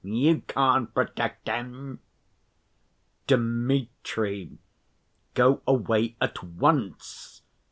You can't protect him!" "Dmitri! Go away at once!"